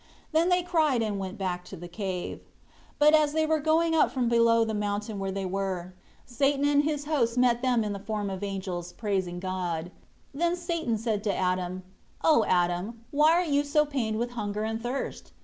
7 Then they cried and went back to the cave. 8 But as they were going up from below the mountain where they were, Satan and his hosts met them in the form of angels, praising God. 9 Then Satan said to Adam, "O Adam, why are you so pained with hunger and thirst?